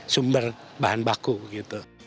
sumber bahan baku gitu